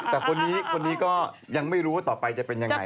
แต่คนนี้คนนี้ก็ยังไม่รู้ว่าต่อไปจะเป็นยังไง